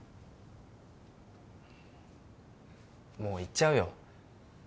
もう言っちゃうよ